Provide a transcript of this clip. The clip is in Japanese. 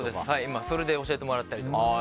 それで教えてもらったりとか。